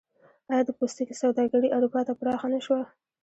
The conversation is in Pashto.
آیا د پوستکي سوداګري اروپا ته پراخه نشوه؟